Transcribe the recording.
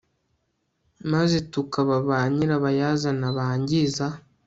maze tukaba ba nyirabayazana bangiza